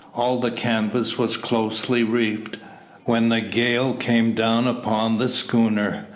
All the canvas was closely reefed, when the gale came down upon the schooner.